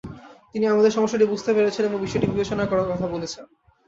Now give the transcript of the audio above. তিনি আমাদের সমস্যাটি বুঝতে পেরেছেন এবং বিষয়টি বিবেচনা করার কথা বলেছেন।